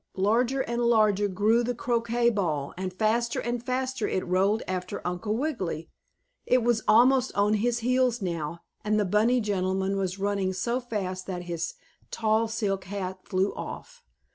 Larger and larger grew the croquet ball, and faster and faster it rolled after Uncle Wiggily. It was almost on his heels now, and the bunny gentleman was running so fast that his tall silk hat flew off.